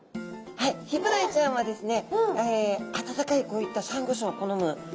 はいヒブダイちゃんはですね